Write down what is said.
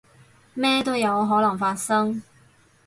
咩都有可能發生